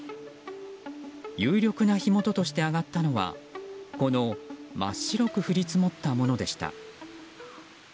有力な火元として挙がったのはこの真っ白く降り積もったものでした。